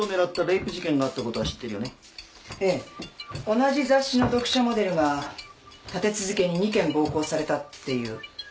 同じ雑誌の読者モデルが立て続けに２件暴行されたっていう。